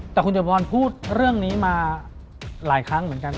แต่คุณจบบอลพูดเรื่องนี้มาหลายครั้งเหมือนกัน